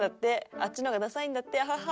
「あっちの方がダサいんだってハハハ！」